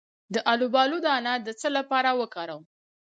د الوبالو دانه د څه لپاره وکاروم؟